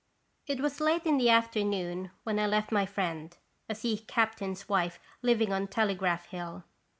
It was late in the afternoon when I left my friend, a sea captain's wife living on Tele graph Hill.